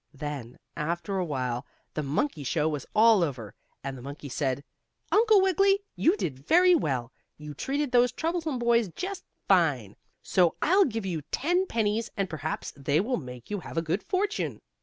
Then, after a while, the monkey show was all over, and the monkey said: "Uncle Wiggily, you did very well. You treated those troublesome boys just fine! So I'll give you ten pennies, and perhaps they will make you have a good fortune."